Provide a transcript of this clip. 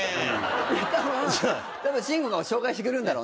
たぶん慎吾が紹介してくれるんだろうね。